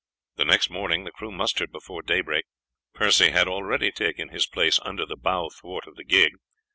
The next morning the crews mustered before daybreak. Percy had already taken his place under the bow thwart of the gig.